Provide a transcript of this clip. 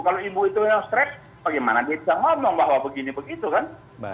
kalau ibu itu yang stres bagaimana dia bisa ngomong bahwa begini begitu kan